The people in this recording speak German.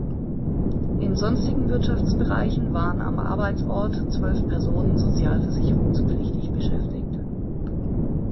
In sonstigen Wirtschaftsbereichen waren am Arbeitsort zwölf Personen sozialversicherungspflichtig beschäftigt.